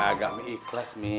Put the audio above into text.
kagak mengikhlas mih